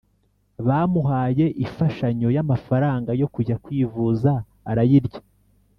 bamuhaye ifashanyo yamafaranga yo kujya kwivuza arayirya